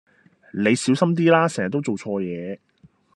你小心啲啦成日都做錯嘢